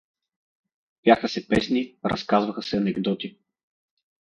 Пяха се песни, разказваха се анекдоти.